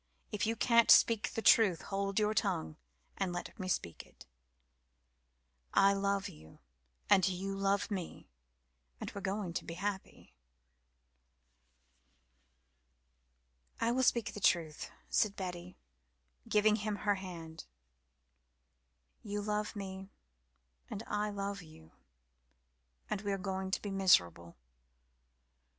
"If you can't speak the truth hold your tongue and let me speak it. I love you and you love me and we are going to be happy." "I will speak the truth," said Betty, giving him her other hand. "You love me and I love you, and we are going to be miserable.